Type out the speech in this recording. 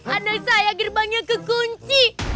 anak saya gerbangnya kekunci